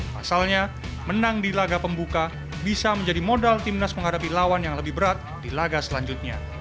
pasalnya menang di laga pembuka bisa menjadi modal timnas menghadapi lawan yang lebih berat di laga selanjutnya